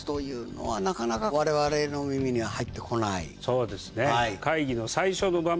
そうですね。